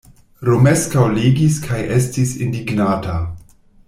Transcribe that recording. Romeskaŭ legis kaj estis indignata.